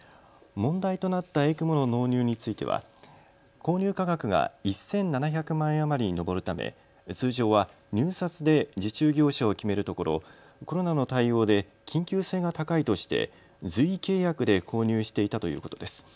問題となったＥＣＭＯの納入については購入価格が１７００万円余りに上るため通常は入札で受注業者を決めるところコロナの対応で緊急性が高いとして随意契約で購入していたということです。